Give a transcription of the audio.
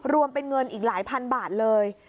รวมเป็นเงินอีกหลายพันบาทเลย